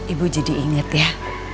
ibu jadi inget ya